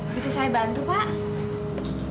bisa saya bantu pak